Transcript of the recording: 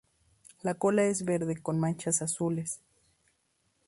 La cola es verde con manchas azules.